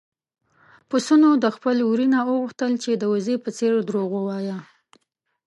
پسونو د خپل وري نه وغوښتل چې د وزې په څېر دروغ ووايي.